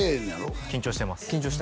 はい緊張してます